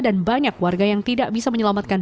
dan banyak warga yang tidak bisa menyelamatkan